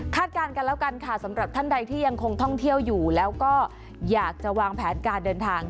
การกันแล้วกันค่ะสำหรับท่านใดที่ยังคงท่องเที่ยวอยู่แล้วก็อยากจะวางแผนการเดินทาง